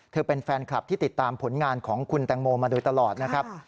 เป็นแฟนคลับที่ติดตามผลงานของคุณแตงโมมาโดยตลอดนะครับ